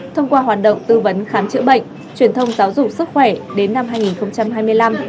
thông qua hoạt động tư vấn khám chữa bệnh truyền thông giáo dục sức khỏe đến năm hai nghìn hai mươi năm